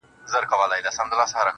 o زما مور، دنيا هېره ده.